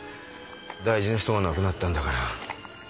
大事な人が亡くなったんだから。